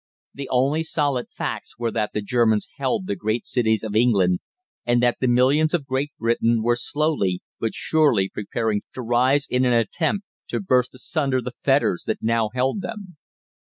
The only solid facts were that the Germans held the great cities of England, and that the millions of Great Britain were slowly but surely preparing to rise in an attempt to burst asunder the fetters that now held them.